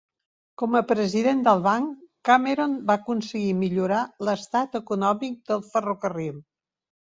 Com a president del banc, Cameron va aconseguir millorar l'estat econòmic del ferrocarril.